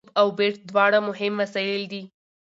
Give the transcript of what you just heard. توپ او بېټ دواړه مهم وسایل دي.